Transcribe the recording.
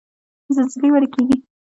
زلزله ولې کیږي؟